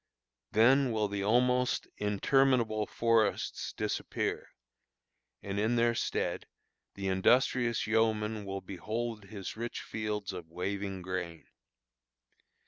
Then will the almost interminable forests disappear, and in their stead the industrious yeoman will behold his rich fields of waving grain.